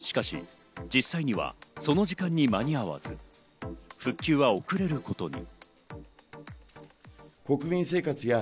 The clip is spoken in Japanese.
しかし、実際にはその時間には間に合わず、復旧は遅れることに。